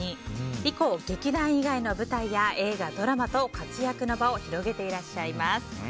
以降、劇団以外の舞台や映画、ドラマなど活躍の場を広げていらっしゃいます。